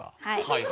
はい。